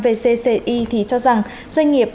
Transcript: vcci thì cho rằng doanh nghiệp